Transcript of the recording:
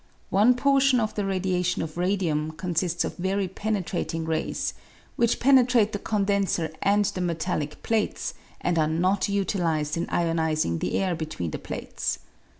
One portion of the radiation of radium consists of very penetrating rays, which penetrate the condenser and the metallic plates, and are not utilised in ionising the air between the plates.